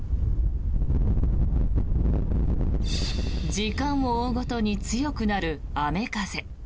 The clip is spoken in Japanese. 時間を追うごとに強くなる雨風。